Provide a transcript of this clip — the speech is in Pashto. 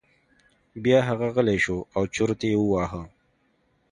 بیا هغه غلی شو او چرت یې وواهه.